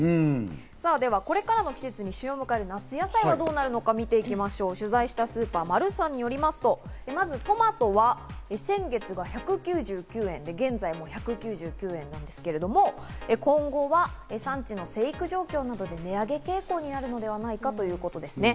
ではこれからの季節に旬を迎える夏野菜ですが取材したスーパーマルサンによりますと、まずトマトは先月が１９９円で現在も１９９円なんですけれども、今後は産地の生育状況などで、値上げ傾向にあるのではないかということですね。